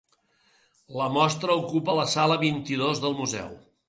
La mostra ocupa la sala vint-i-dos del museu.